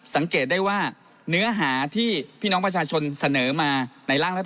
สังเกตได้ว่าเนื้อหาที่พี่น้องประชาชนเสนอมาในร่างรัฐธรรม